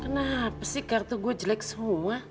kenapa kartu saya jelek semua